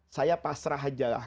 saya pasrah ajalah